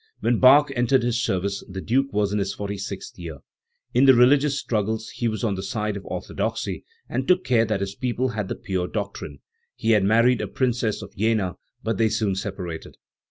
When Bach entered his service the Duke was in his forty sixth year. In the religious struggles he was on the side of orthodoxy, and took care that his people had the pure doctrine. He had married a Princess of Jena, but they soon separated.